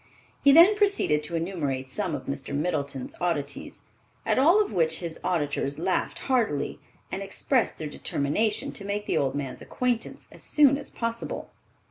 He then proceeded to enumerate some of Mr. Middleton's oddities, at all of which his auditors laughed heartily, and expressed their determination to make the old man's acquaintance as soon as possible.